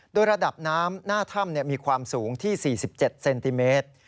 โดยระดับน้ำหน้าถ้ำมีความสูงที่๔๗เซนติเมตร